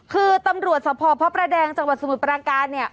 คือตำรวจสภพระประแดงจังหวัดสมุทรปราการเนี่ย